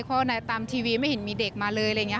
เพราะตามทีวีไม่เห็นมีเด็กมาเลย